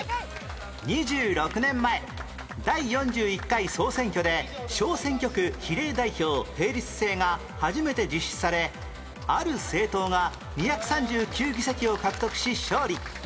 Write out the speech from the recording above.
２６年前第４１回総選挙で小選挙区比例代表並立制が初めて実施されある政党が２３９議席を獲得し勝利